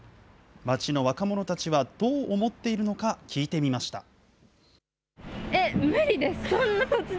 街の若者たちはどう思っているのか、聞いてみました。